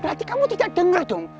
berarti kamu tidak dengar dong